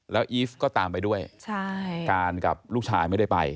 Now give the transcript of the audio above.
แล้วอีฟก็ตามไปด้วยการกับลูกชายไม่ได้ไป